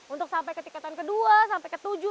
untuk sampai ke tingkatan kedua sampai ke tujuh